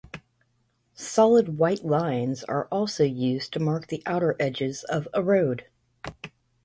Solid white lines are also used to mark the outer edges of a road.